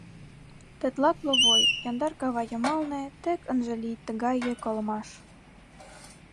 Тетла кловой, Яндар кава йымалне Тек ынже лий тыгае колымаш…